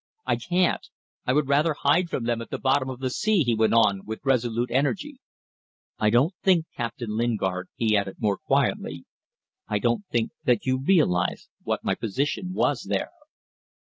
I can't. I would rather hide from them at the bottom of the sea," he went on, with resolute energy. "I don't think, Captain Lingard," he added, more quietly, "I don't think that you realize what my position was there."